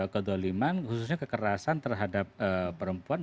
kedoliman khususnya kekerasan terhadap perempuan